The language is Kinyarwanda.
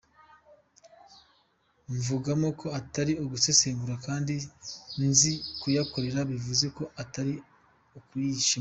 Mvugamo ko atari ugusesagura kandi nzi kuyakorera, bivuze ko atari ukuyishimamo yose.